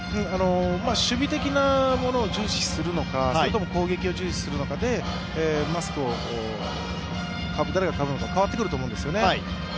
守備的なものを重視するのかそれとも攻撃を重視するのかでマスクを誰がかぶるのか、変わってくると思うんですよね。